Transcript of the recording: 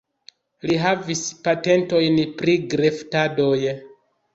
Li havis patentojn pri greftadoj.